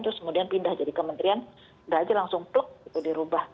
terus kemudian pindah jadi kementerian tidak saja langsung pluk itu dirubah